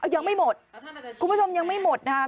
ยังไม่หมดคุณผู้ชมยังไม่หมดนะครับ